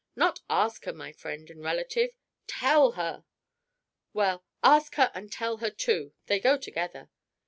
Not ask her, my friend and relative; tell her!" "Well, ask her and tell her, too; they go together!"